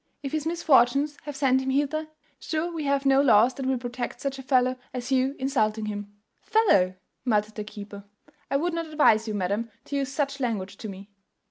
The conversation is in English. If his misfortunes have sent him hither, sure we have no laws that will protect such a fellow as you in insulting him." "Fellow!" muttered the keeper "I would not advise you, madam, to use such language to me."